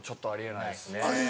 ないですね。